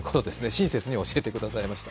親切に教えてくださいました。